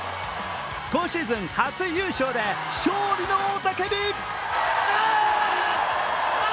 今シーズン初優勝で勝利の雄たけび。